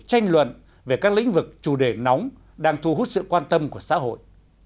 tranh luận về các lĩnh vực chủ đề nóng đang thu hút sự quan tâm của xã hội